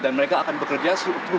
dan mereka akan bekerja super super